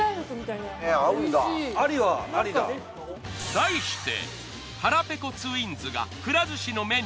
題して。